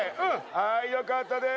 はーい、よかったです。